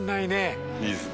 いいですね。